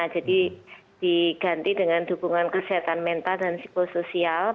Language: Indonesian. jadi diganti dengan dukungan kesehatan mental dan psikosoial